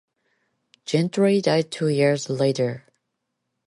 Gentry died two years later.